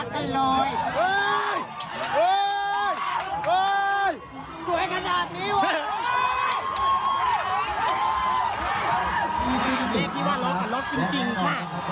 ไปเลยไปเลยค่ะวัดไปเลย